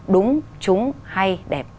đúng trúng hay đẹp